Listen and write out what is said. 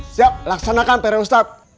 siap laksanakan pak r ustadz